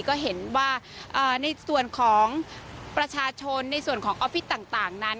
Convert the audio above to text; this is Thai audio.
ก็เห็นว่าในส่วนของประชาชนในส่วนของออฟฟิศต่างนั้น